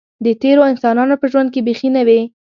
د تېرو انسانانو په ژوند کې بیخي نه وې.